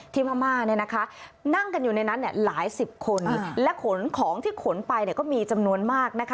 ที่พระมาคนั่งกันอยู่ในนั้นหลายสิบคนและของที่ขนไปมีจำนวนมาก